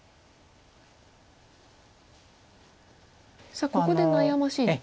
さあここで悩ましいんですね。